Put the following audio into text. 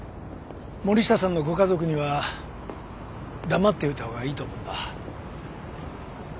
森下さんのご家族には黙っておいた方がいいと思うんだ。